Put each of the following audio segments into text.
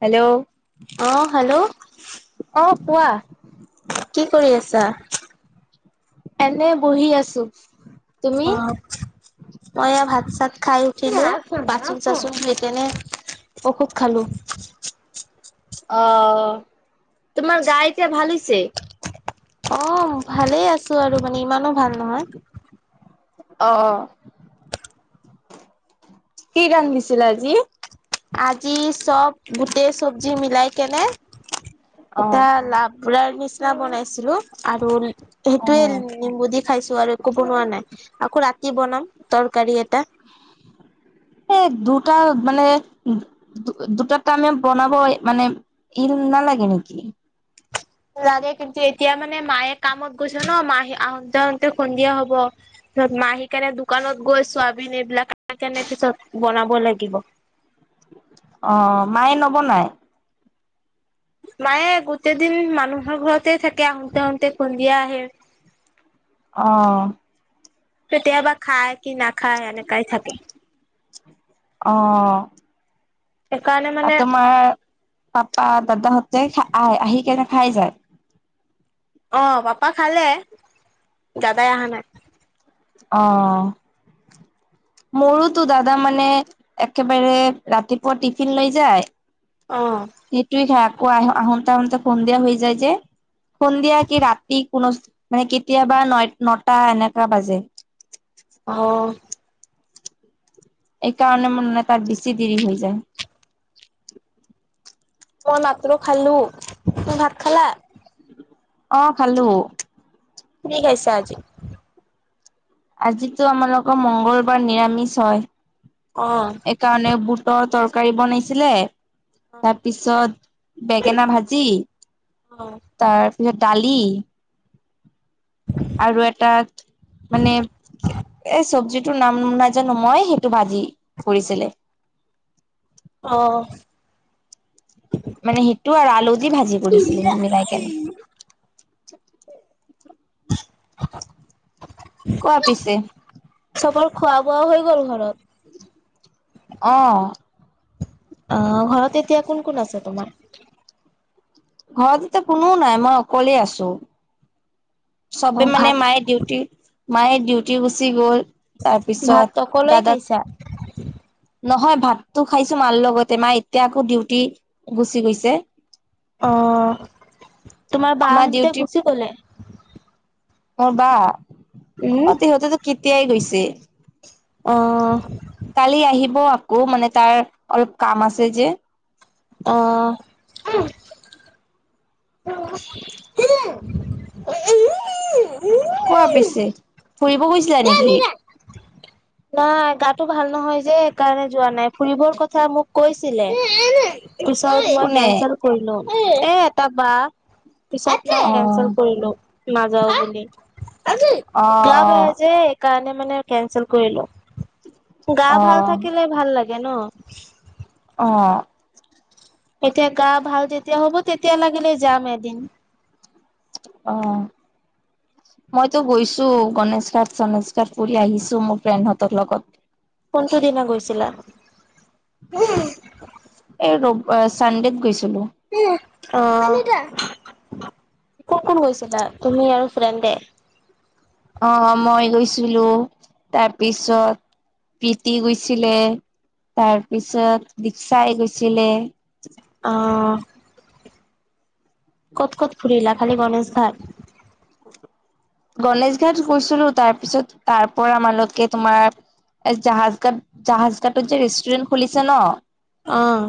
Hello অ hello অ' কোৱা। কি কৰি আছা? এনেই বহি আছো। তুমি? অ' মই এয়া ভাত- চাত খাই উঠিলো। বাচন চাচন ধুই পিনে ঔষধ খালোঁ। অ' তোমাৰ গা এতিয়া ভাল হৈছে। অ' ভালেই আছো আৰু মানে ইমানো ভাল নহয়। অ' কি গান দিছিলে আজি। আজি চব গোটেই চব্জি মিলাই কেনে অ এটা লাবৰাৰ নিচিনা বনাইছিলো আৰু অ সেইটোয়ে নিম্বু দি খাইছো আৰু একো বনোৱা নাই। আকৌ ৰাতি বনাম তৰকাৰী এটা এক দু দুটা মানে দুটা টাইমে বনাব মানে ইল নালাগে নেকি? [inaudible] লাগে কিন্তু এতিয়া মানে মায়ে কামত গৈছে ন' মাহ আহতে -আহোঁতে সন্ধিয়া হব। পিছত মা আহি কেনে দোকানত গৈ চোৱাবিন এইবিলাক আনি কেনে পিছত বনাব লাগিব। অ', মায়ে নবনাই? মায়ে গোটেই দিন মানুহৰ ঘৰত তে থাকে আহোঁতে- আহোঁতে সন্ধিয়া আহে। অ', কেতিয়াবা খায় কি না খায় এনেকাই থাকে। অ', অ', সেইকাৰণে অ', মানে তোমাৰ পাপা দাদাহতে খ আ, আহি কেনে খাই যায়। অ', পাপা খালে দাদাই আহা নাই। অ', মোৰোতো দাদা মানে একেবাৰে ৰাতিপুৱা টিফিন লৈ যায় অ। সেইটোৱে খাই আকৌ আহ- আহোঁতে -আহোঁতে সন্ধিয়া হৈ যায় যে সন্ধিয়া কি ৰাতি কোনো মানে কেতিয়াবা ন -নটা এনেকা বাজে। অ', এইকাৰণে মানে তাৰ বেছি দেৰি হৈ যায়। মই মাত্ৰ খালোঁ। তুমি ভাত খালা? অ', খালোঁ। কি কৰিছা আজি? আজিতো আমালোকৰ মংগলবাৰ নিৰামিষ হয়। অ এইকাৰণে বুটৰ তৰকাৰী বনাইছিলে। অ তাৰ পিছত বেঙেনা ভাজি, অ তাৰ ডালি আৰু এটা মানে এ, চব্জিটো নাম নাজানো মই, সেইটো ভাজি কৰিছিলে। অ'। মানে সিটো আৰু আলু দি ভাজি কৰিছিলে মিলাই কেনে। [inaudible] কোৱা পিছে। চবৰ খোৱা বোৱা হৈ গ'ল ঘৰত? অ', অ', ঘৰত এতিয়া কোন কোন আছে তোমাৰ? ঘৰত এতিয়া কোনো নাই, মই অকলে আছোঁ। অ চবে মানে ভাত মায়ে ডিউটি, মায়ে ডিউটি গুচি গ'ল। তাৰ ভাত পিছত অকলেই দাদা খাইছা নহয়, ভাতটো খাইছো মাৰ লগতে, মা এতিয়া আকৌ ডিউটি গুচি গৈছে। অ', তোমাৰ মা বাহেনতে ডিউটি গুচি গলে? মোৰ বা? উম অ', সিহঁতেতো কেতিয়াই গৈছে। অ কালি আহিব আকৌ, মানে তাৰ অলপ কাম আছে যে। অ', [inaudible] কোৱা পিছে, ফুৰিব গৈছিলা নেকি? নাই গাতো ভাল নহয় যে, সেইকাৰণে যোৱা নাই, ফুৰিবৰ কথা মোক কৈছিলে। পিছত মই কোনে কেনচেল কৰিলো, এ, এটা বা পিছে কিয় অ কেনচেল কৰিলোঁ নাযাওঁ বুলি। অ গা বেয়া যে, এইকাৰণে মানে কেনচেল কৰিলোঁ। গা অ ভাল থাকিলে ভাল লাগে ন? অ এতিয়া গা ভাল যেতিয়া হ'ব, তেতিয়া লাগিলে যাম এদিন। অ' মইতো গৈছো। গনেশ ঘাট, চণেশ ঘাট ফুৰি আহিছো মোৰ ফ্ৰেণ্ডহঁতৰ লগত। কোনটো দিনত গৈছিলা? অ', চানডেত গৈছিলো। অ' কোন কোন গৈছিলা? তুমি আৰু ফ্ৰেণ্ডে। অ' মই গৈছিলো। তাৰপিছত প্ৰীতি গৈছিলে, তাৰপিছত দীক্ষাই গৈছিলে অ' ক'ত ক'ত ফুৰিলা, খালি গণেশঘাট? গণেশ ঘাট গৈছিলো। তাৰ পিছত, তাৰ পৰা মালতীয়ে তোমাৰ এই জাহাজ ঘাট। জাহাজ ঘাটট যে ৰেষ্টুৰেণ্ট খুলিছে ন'। অ'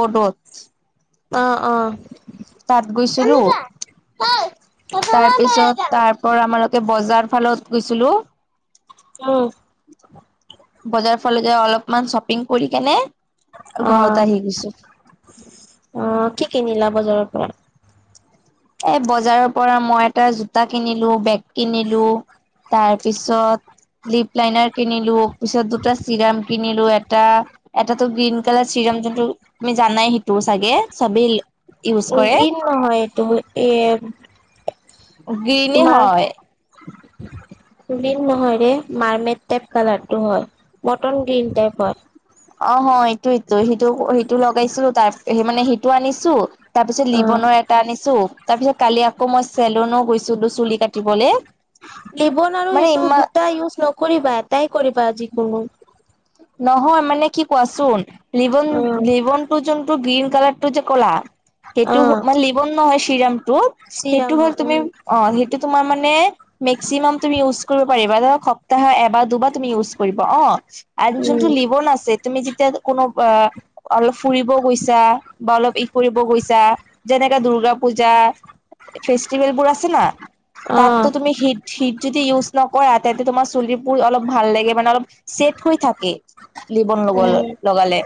ব'ডত। অ', অ'। তাত গৈছিলো। তাৰপিছত, তাৰ পৰা আমাৰত বজাৰ ফালত গৈছিলো। উম, বজাৰ ফালত যে, অলপমান শ্বপিং কৰি কেনে ঘৰত অ', আহি গৈছো। অ', কি কিনিলা বজাৰৰ পৰা? এ বজাৰৰ পৰা মই এটা জোতা কিনিলো বেগ কিনিলো তাৰ পিছত লিপ লাইনাৰ কিনিলো পিছত দুটা চিৰাম কিনিলো এটা এটাটো গ্ৰীনকালাৰ চিৰাম ৰাম জোনটো তুমি জানাই সেইটো চাগে, চবেই ইউজ কৰে, গ্ৰীণ নহয় এইটো এ' এম। গ্ৰীণো হয়। উ [unintelligible] গ্ৰীণ নহয়ৰে, মাৰ্মেট টাইপ কা'লাৰটো হয়, বটল গ্ৰীণ টাইপৰ। অহ এইটোটো সিটো সিটো লগাইছিলো তাৰ সেই মানে সিটো আনিছো তাৰ পিছত অ'। লিবনৰ এটা আনিছো, তাৰ পিছত কালি আকৌ মই চেলুনো গৈছো। লিবন আৰু মানে এইটো ইমান দুটা ইউজ নকৰিবা, এটাই কৰিবা যি অ [unintelligible] নহয় মানে কি কোৱাচোন লিবন উম লিবনতো জোনটো গ্ৰীন কালাৰ টো যে ক'লা অ সেইটো মান লিবন নহয় চিৰামটো, সেইটো চিৰাম হ'ল হয় তুমি উম অ' সেইটো তোমাৰ মানে মেক্সিমাম তুমি ইউজ কৰিব পাৰিবা, ধৰক সপ্তাহ এবাৰ দুবাৰ তুমি ইউজ কৰিবা। অ' আৰু জোনটো উম লিবন আছে, তুমি যেতিয়া কোনো অ অলপ ফুৰিব গৈছা বা অলপ ফুৰিব গৈছা, যেনেকে দুৰ্গাপূজা ফে ভেলবোৰ আছে না, অ তাতটো তুমি হিট হিট যদি ইউজ নকৰা তাতে তোমাৰ চুলিৰবোৰ অলপ ভাল লাগে, মানে অলপ ছেট হৈ থাকে। লিবন লগ উম লগালে।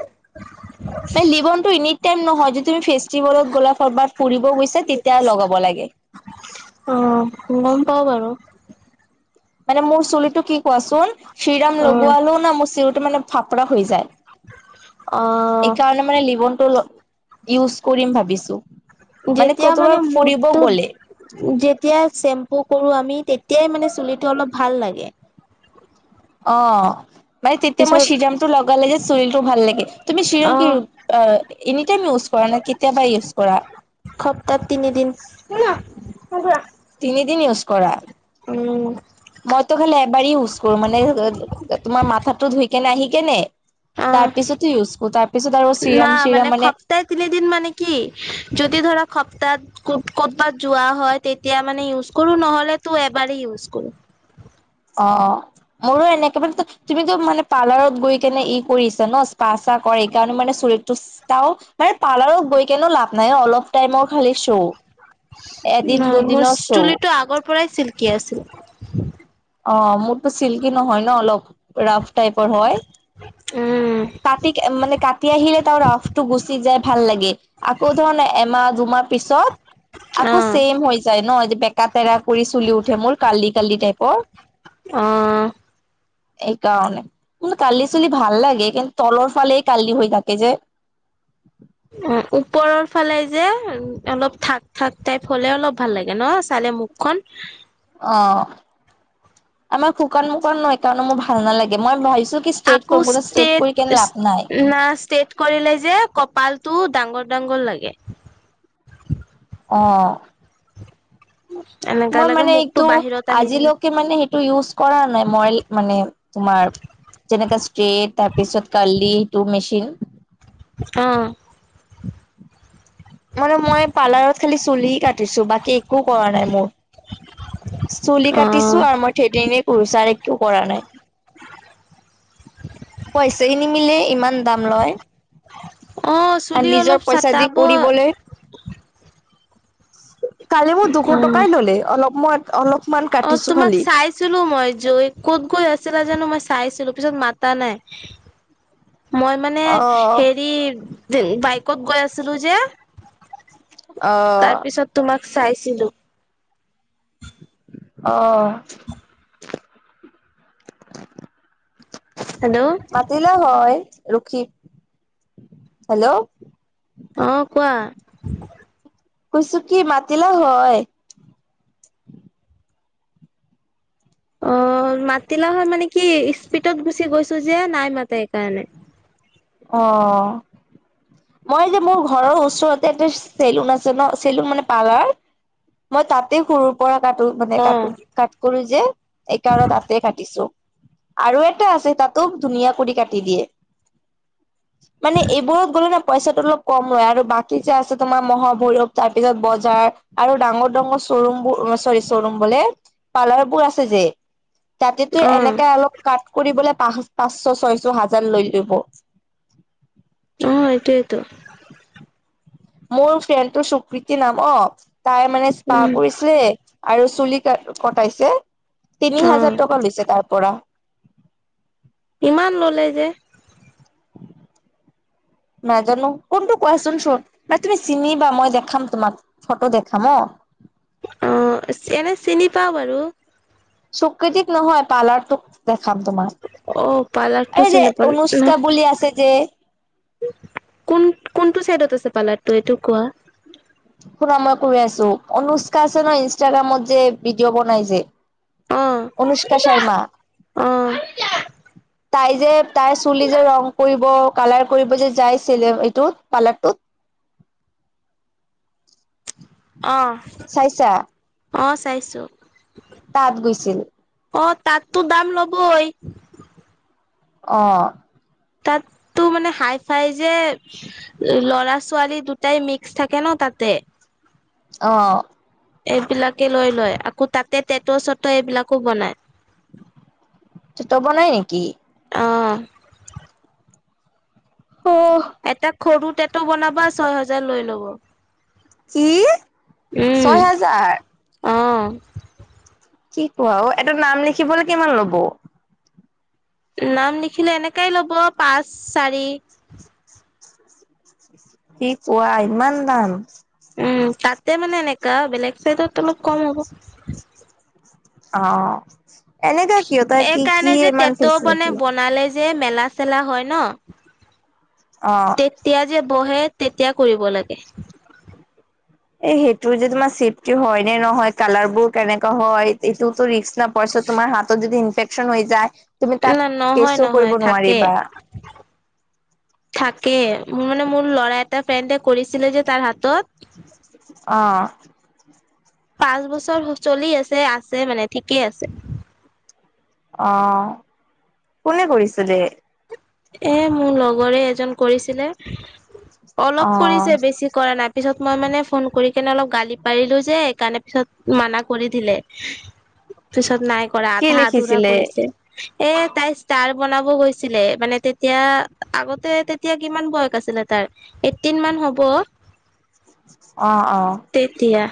এই লিবনতটো এনে এনিটাইম নহয়, যেতিয়া তুমি ফেষ্টিভেলত গ'লা ক'ৰবাত ফুৰিব গৈছা তেতিয়া লগাব লাগে। অ' গ'ম পাঁও বাৰু। মানে মোৰ চুলিটো কি কোৱাচোন চিৰাম অ লগোৱালো না মোৰ চি মানে ফাপৰা হৈ যায়। অ এইকাৰণে মানে লিবনটো ইউজ কৰিম ভাবিছো। যেতিয়া কতোবা মানে ফুৰিব গ'লে মুৰটোত যেতিয়া চেম্পু কৰো আমি তেতিয়াই মানে চুলিটো অলপ ভাল লাগে। অ'। মানে তেতিয়া মই পিছত চিৰাম টো লগালে যে, চুলিটো ভাল লাগে, তুমি চিৰিম অ কি এনিটাইম ইউজ কৰা নে কেতিয়াবা ইউজ কৰা। সপ্তাত তিনিদিন। তিনিদিন ইউজ কৰা। উম মইতো খালি এবাৰেই ইউজ কৰো। মানে তোমাৰ মাথাটো ধুই কেনে, আহি কেনে। অ, তাৰ পিছতো ইউজ কৰো তাৰ পিছত আৰু ন, চিৰাম চিৰাম মানে সপ্তাহ তিনিদিন মানে কি যদি ধৰা সপ্তাহত ক'তবাত যোৱা হয়, তেতিয়া মানে ইউজ কৰো, নহলে তো এবাৰে ইউজ কৰো। [inaudible] অ'। মোৰো এনেকে মানে তুমিতো মানে পাৰ্লাৰত গৈ কেনে, ই কৰিছা ন, স্পা চা কৰে, এই কাৰণে মানে চুলি যাও মান পাৰ্লাৰত গৈ কেনো লাভ নাই, অলপ টাইমৰ খালি শ্ব এদিন অ, মোৰ দুদিনৰ শ্ব' চুলিটো আগৰ পৰাই চিল্কি আছিল। অ, মোৰতো চিল্কি নহয় ন, অলপ ৰাফ টাইপৰ হয়। উম। কাটি মানে, কাটি আহিলে তাৰ ৰাফটো গুচি যায় ভাল লাগে। আকৌ ধৰণৰ এমাহ মই, পিছত অ আকৌ ছেম হৈ যায় ন, বেকাতেৰা কৰি চুলি উঠে, মোৰ ক্ৰালি মোৰ টাইপৰ। অ'। এইকাৰণে কিন্তু কাৰ্ল্লি চুলি ভাল লাগে। কিন্তু তলৰ ফালে কাৰ্ল্লি হৈ থাকে যে। অ, ওপৰৰ ফালে যে, অলপ থাক, থাক টাইপ হলে অলপ ভাল লাগে ন, চাল মুখখন অ, আমাৰ শুকান, মুকান নহ তাৰ কাৰণে মোৰ ভাল নালাগে। মই ভাবিছো কি ষ্টেট কৰিব, ষ্টেট কৰি কেনে লাভ নাই। না ষ্টেট কৰিলে যে, কপালটো ডাঙৰ, ডাঙৰ লাগে। অ'। এনেকা মই লাগে মানে, মুখটো এইটো বাহিৰত আহি যায় আজিলৈকে মানে, সেইটো ইউজ কৰা নাই। মই মানে, তোমাৰ যেনেকা ষ্ট্ৰেট, তাৰপিছত কাৰ্লি টো মেচিন। আহ। মানে মই পাৰ্লাৰত খালি চুলি কাটিছো। বাকী একো কৰা নাই মোৰ। চুলি অ অ কাটিছো আৰু মই সেইদিনেই পচাৰ একো কৰা নাই। [inaudible] পইচা নিমিলে, ইমান দাম লয়। অ আৰু চুলি নিজৰ অলপ পইচা দি, চাতাব কৰিবলৈ কালি মই দুশ উম টকাই ললে অলপ মই, অলপ অ, তোমাক চাইছিলো মই। জৈ ক'ত গৈ আছিলা জানো, মই চাইছিলো, পিছত মাতা নাই। মই মানে অ হেৰি, বাইকত গৈ আছিলো যে। অ তাৰ পিছত তোমাক চাইছিলো। আহ। হেল্ল' মাতিলা হয়। ৰখি, হেল্ল? অ, কোৱা। কৈছো কি মাতিলা হয়। অহ। মাতিলা হয়, মানে কি স্পীডত গুচি গৈছো যে, নাই মাতে সেইকাৰণে। অহ। মই যে মোৰ ঘৰৰ ওচৰতে এটা চেলুন আছে ন, চেলুন মানে পালাৰ। মই তাতেই সৰুৰ পৰা কটো মানে অ কটো ক কৰো যে এইকাৰণে তাতে কাটিছো আৰু এটা আছে তাতো ধুনীয়া কৰি কাটি দিয়ে মানে এই বোৰত গোলে নহ পইছাটো অলপ কম লয় আৰু বাকী যে আছে তোমাৰ মহা ভৈৰৱ তাৰ পিছত বজাৰ আৰু ডাঙৰ ডাঙৰ শ্ব'ৰুম বোৰ অহ চৰী শ্ব'ৰুম বোলে পাৰ্লাৰ বোৰ আছে যে তাতে তো অ এনেকে অলপ কাট কৰিবলৈ পচ পাঁচশ ছয়শ হাজাৰ লৈ লব আহ এইটোৱেইটো মোৰ ফ্ৰেণ্ডটো সুকৃতি নাম তাই মানে স্পা উম কৰিছিলে আৰু চুলি ক কটাইছে তিনি অ হাজাৰ টকা লৈছে তাৰ পৰা ইমান ললে যে নাজানো কোনটো কোৱাচোন চোন ন তুমি চিনিবা মই দেখাম তোমাক ফটো দেখাম অ উম এনে চিনি পাও বাৰু স্বীকৃতিত নহয় পাৰ্লাৰটো খাম তোমাৰ অ পাৰ্লাৰটো এই চিনি যে নাপাও অনুষ্কা বুলি আছে যে কোন কোনটো চাইডত আছে পাৰ্লাৰটো এইটো কোৱা শুনা মই কৈ আছো অনুষ্কা আছে ন ইনষ্টাগ্ৰামত যে ভিডিঅ' বনাই যে অ', অনুষ্কা শৰ্মা অ', তাই যে তাইৰ চুলি যে ৰং কৰিব কালাৰ কৰিব যে যাইছিল এইটো পাৰ্লাৰটোত অ চাইছা অ চাইছো তাত গৈছিল অ', তাততো দাম ল'ব ই অ তাত তটো মানে হাই ফাই যে ল'ৰা ছোৱালী দুটাই মিক্স থাকে ন তাতে উ অ এইবিলাকে লৈ লয় আকৌ তাতে টেট চত এইবিলাকো বনায় তেটো বনাই নেকি অ অহ, এটা সৰু টেট বনাবা ছয় হেজাৰ লৈ ল'ব কি ছয় হাজাৰ উ কি কোৱা অ এটা নাম লিখিবলৈ কিমান লব নাম লিখিলে এনেকাই ল'ব পাঁচ চাৰি কি কোৱা ইমান দাম উম তাতে মানে এনেকা বেলেগ চাইডত অলপ কম হ'ব অ এনেুকা কিয় তই এই কি কি কাৰণে যে ইমান তেতো মানে ফেছিলিটি বনালে যে মেলা চেলা হয় ন অ', তেতিয়া যে বহে তেতিয়া কৰিব লাগে এ সেইটোৰ যে তোমাৰ চেফটি হয় নে নহয় কালাৰ বোৰ কেনেকা হয় এইটোতো ৰিস্ক নাপাই তোমাৰ হাতত যদি ইনফেকশচন হৈ যায় তুমি তাক ন নহয় কেচো কৰিব নহয় থাকে নোৱাৰিবা থাকে মোৰ মান মোৰ ল'ৰা এটা ফ্ৰেণ্ডে কৰিছিলে যে তাৰ হাতত অ পাঁচ বছৰ চলি আছে আছে মানে ঠিকেই আছে অ কোনে কৰিছিলে এ মোৰ লগৰে এজন কৰিছিলে অলপ অ', কৰিছে বেছি কৰা নাই পিছত মই মানে ফোন কৰি কেনে অলপ গালি পাৰিলো যে সেইকাৰণে পিছত মানা কৰি দিলে, পিছত নাই কৰা কি আধা আধুৰা লিখিছিলে? কৰিছে। এ তাই ষ্টাৰ বনাব গৈছিলে মানে তেতিয়া আগতে তেতিয়া কিমান বয়স আছিলে তাৰ এইটটিন মান হ'ব। [inaudible] অ', অ', তেতিয়া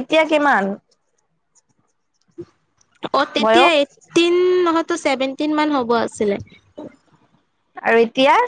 এতিয়া কিমান? অ', তেতিয়া বয়স এইটটিন নহতো চছেভেনটিন মান হ'ব আছিলে আৰু এতিয়া?